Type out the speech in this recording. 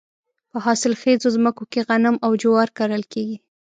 په حاصل خیزو ځمکو کې غنم او جوار کرل کیږي.